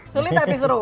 sulit tapi seru